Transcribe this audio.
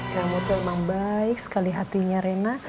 kamu tuh emang baik sekali hatinya reina